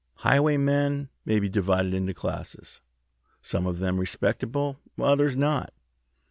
Highwaymen may be divided into classes, some of them respectable, others not.